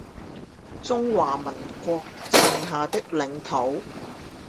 中華民國剩下的領土